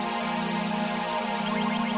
terima kasih man